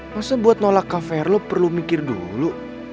masa buat nolak kaver lo perlu mikir dulu